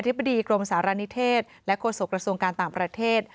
อธิบัตรีกรมสารณิเทศและคนศพรัศจงการต่างประเทศ